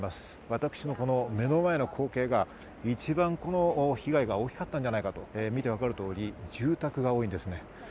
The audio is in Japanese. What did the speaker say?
私の目の前の光景が一番、被害が大きかったんじゃないかと見て分かる通り、住宅が多いです。